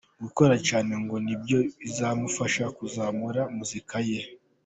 Gukora cyane ngo nibyo bizamufasha kuzamura muzika ye.